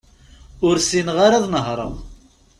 Ur ssineɣ ara ad nehreɣ.